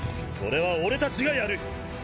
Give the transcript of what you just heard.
それは俺たちがやる！